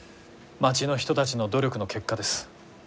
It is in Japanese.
町の人たちの努力の結果です。